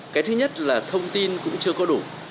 cái thứ nhất là thông tin cũng chưa có